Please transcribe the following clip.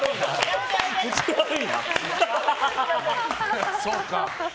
口悪いな！